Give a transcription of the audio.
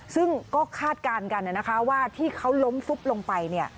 ซึ่งก็คาดการณ์กันนะคะว่าที่เขาล้มฟุบลงไป